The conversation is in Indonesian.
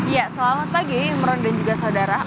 ya selamat pagi imron dan juga saudara